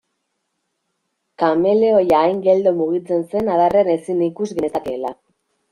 Kameleoia hain geldo mugitzen zen adarrean ezin ikus genezakeela.